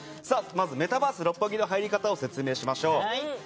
まずメタバース六本木の入り方を説明しましょう。